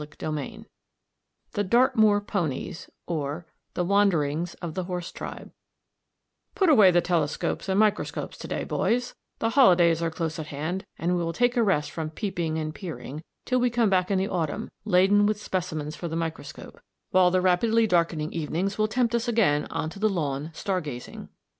CHAPTER IX THE DARTMOOR PONIES, OR THE WANDERINGS OF THE HORSE TRIBE Put away the telescopes and microscopes to day, boys, the holidays are close at hand, and we will take a rest from peeping and peering till we come back in the autumn laden with specimens for the microscope, while the rapidly darkening evenings will tempt us again on to the lawn star gazing.